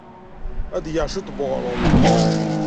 Ad d-geɣ cwiṭ n weɣrum.